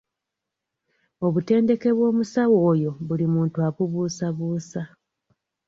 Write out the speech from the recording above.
Obuntendeke bw'omusawo oyo buli muntu abubuusabuusa.